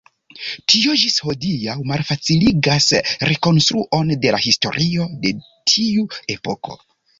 Tio ĝis hodiaŭ malfaciligas rekonstruon de la historio de tiu epoko.